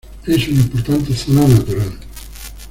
Es una importante zona natural.